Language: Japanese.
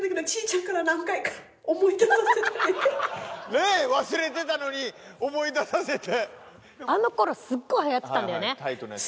ねえ忘れてたのに思い出させて。